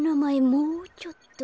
もうちょっと。